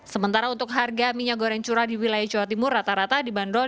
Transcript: sementara untuk harga minyak goreng curah di wilayah jawa timur rata rata dibanderol